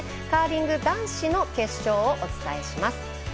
カーリング男子の決勝をお伝えします。